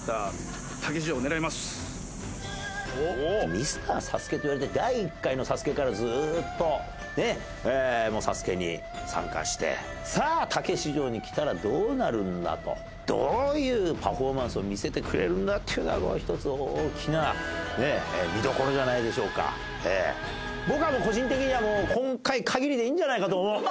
ミスターＳＡＳＵＫＥといわれて第１回のＳＡＳＵＫＥからずーっとねっもうＳＡＳＵＫＥに参加してさあたけし城に来たらどうなるんだとどういうパフォーマンスを見せてくれるんだっていうのは僕はもう個人的にはんじゃないかと思う